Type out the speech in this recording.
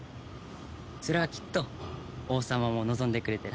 それはきっと王様も望んでくれてるはずだろ？